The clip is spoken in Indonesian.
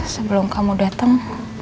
sebelum kamu dateng